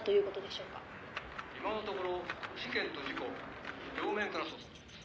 「今のところ事件と事故両面から捜査中です」